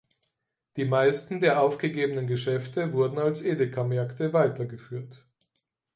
Die meisten der aufgegebenen Geschäfte wurden als Edeka-Märkte weitergeführt.